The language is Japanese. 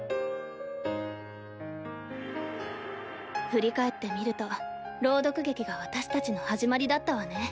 振り返ってみると朗読劇が私たちの始まりだったわね。